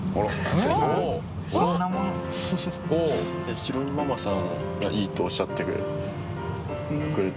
浩美ママさんがいいとおっしゃってくれて。